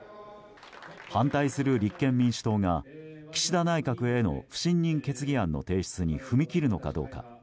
反対する立憲民主党が岸田内閣への不信任決議案の提出に踏み切るのかどうか。